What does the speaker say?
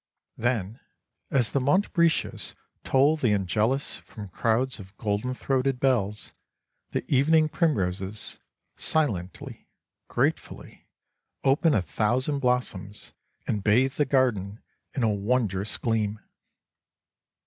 Then, as the montbretias toll the Angelus from crowds of golden throated bells, the evening primroses, silently, gratefully, open a thousand blossoms and bathe the garden in a wondrous gleam.